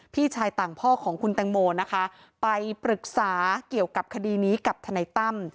พี่ชายต่างพ่อของคุณแตงโมนะคะไปปรึกษาเกี่ยวกับคดีนี้กับทนายตั้ม